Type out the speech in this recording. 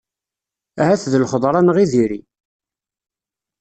Ahat d lxeḍra-nneɣ i diri.